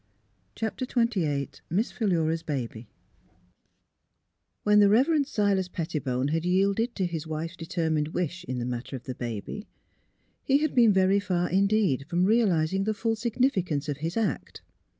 CHAPTER XXVIII MISS PHILURA'S BABY When the'* E ever end Silas Pettibone had yielded to his wife's determined wish in the matter of the baby, he had been veiy far indeed from realising the full significance of his act.